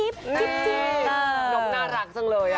น้องน่ารักจังเลย